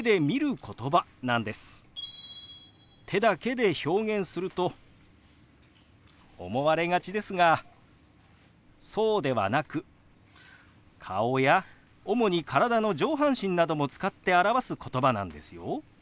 手だけで表現すると思われがちですがそうではなく顔や主に体の上半身なども使って表すことばなんですよ。